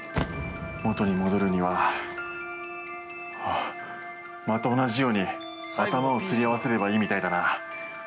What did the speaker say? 元に戻るにはまた同じように頭をすり合わせればいいみたいだな。